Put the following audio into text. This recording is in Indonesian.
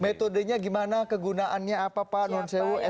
metodenya gimana kegunaannya apa pak non sew sop nya